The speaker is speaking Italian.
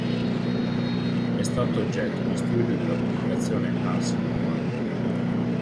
È stato oggetto di studio nella pubblicazione “Ars nova.